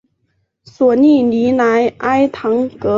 索利尼莱埃唐格。